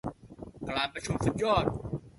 การประชุมสุดยอด